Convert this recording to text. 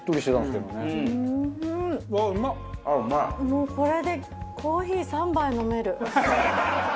もうこれでコーヒー３杯飲める。